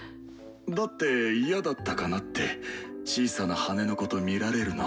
だって嫌だったかなって小さな羽のこと見られるの。